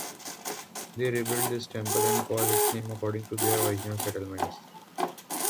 They rebuild this temple and called its name according to their original settlements.